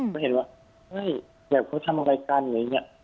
ก็เห็นว่าเฮ้ยเค้าทำอะไรกันอย่างนี้